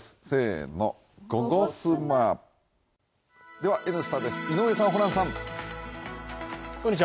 では「Ｎスタ」です、井上さん、ホランさん。